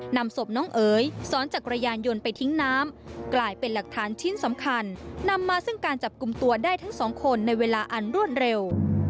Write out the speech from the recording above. นำศพน้องเอ๋ยซ้อนจักรยานยนต์ไปทิ้งน้ำกลายเป็นหลักฐานชิ้นสำคัญนำมาซึ่งการจับกลุ่มตัวได้ทั้งสองคนในเวลาอันรวดเร็ว